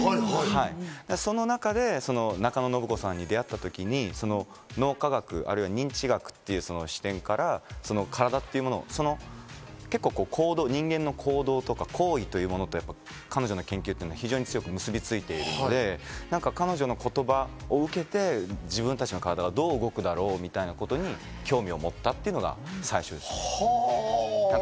その中で中野信子さんに出会った時に、脳科学、あるいは認知学という視点から体というもの、結構、人間の行動とか行為というものって彼女の研究というのは非常に強く結びついているので、彼女の言葉を受けて自分たちの体がどう動くだろうみたいなことに興味を持ったっていうのが最初ですね。